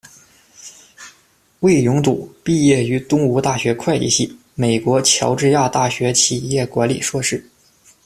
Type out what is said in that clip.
魏永笃，毕业于东吴大学会计系，美国乔治亚大学企业管理硕士。